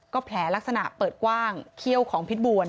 แผลลักษณะเปิดกว้างเขี้ยวของพิษบัว